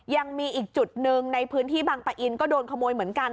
ยังมีอีกจุดหนึ่งในพื้นที่บางปะอินก็โดนขโมยเหมือนกัน